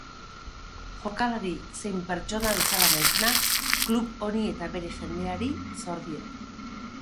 Jokalari zein pertsona bezala naizena klub honi eta bere jendeari zor diot.